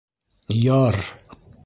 Яр!